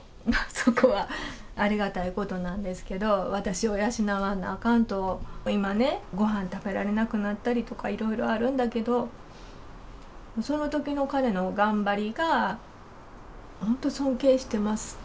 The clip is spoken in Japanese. そこはありがたいことなんですけれども、私を養わないかんと、今ね、ごはん食べられなくなったりとかいろいろあるんだけど、そのときの彼の頑張りが、本当、尊敬してます。